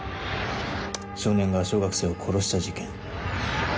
少年が小学生を殺した事件。